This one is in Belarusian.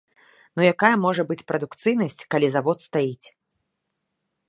Ну якая можа быць прадукцыйнасць, калі завод стаіць?